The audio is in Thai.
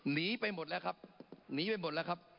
หนีไปหมดแล้วครับหนีไปหมดแล้วครับ